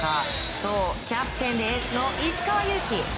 そう、キャプテンでエースの石川祐希。